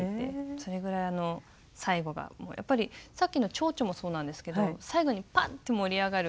それぐらい最後がもうやっぱりさっきのちょうちょもそうなんですけど最後にパッて盛り上がる